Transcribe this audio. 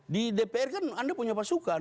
di dpr kan anda punya pasukan